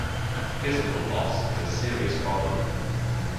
Physical loss is a serious problem.